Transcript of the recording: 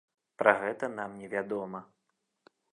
Пра гэта нам невядома.